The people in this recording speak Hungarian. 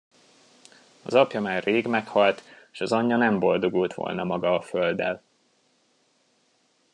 Az apja már rég meghalt, s az anyja nem boldogult volna maga a földdel.